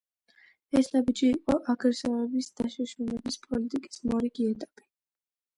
ეს ნაბიჯი იყო აგრესორების „დაშოშმინების“ პოლიტიკის მორიგი ეტაპი.